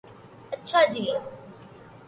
اچھا جی